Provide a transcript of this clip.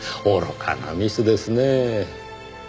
愚かなミスですねぇ。